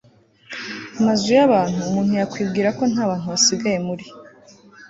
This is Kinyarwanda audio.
amazu y'abantu! umuntu yakwibwira ko nta bantu basigaye muri